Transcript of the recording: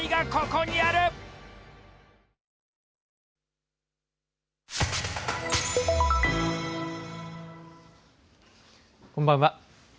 こんばんは。